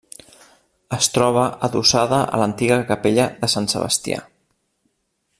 Es troba adossada a l'antiga capella de Sant Sebastià.